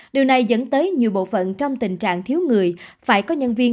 điều này dẫn tới nhiều bộ phận trong tình trạng thiếu người phải có nhân viên